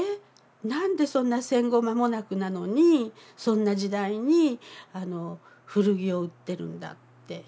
何でそんな戦後間もなくなのにそんな時代に古着を売ってるんだって変に思うらしいんですよね。